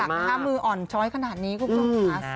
มืออ่อนช้อยขนาดนี้คุณผู้ชมค่ะ